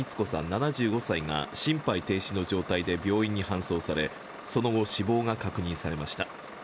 ７５歳が心肺停止の状態で病院に搬送され、その後、死亡が確認されました。